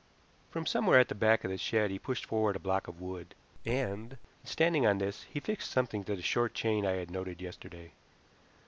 From somewhere at the back of the shed he pushed forward a block of wood, and, standing on this, he fixed something to the short chain I had noted yesterday.